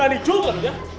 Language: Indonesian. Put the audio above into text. berani cukup ya